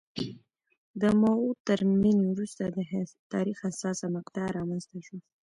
د ماوو تر مړینې وروسته د تاریخ حساسه مقطعه رامنځته شوه.